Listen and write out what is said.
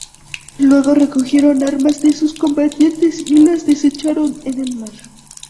Luego recogieron armas de los combatientes y las desecharon en el mar.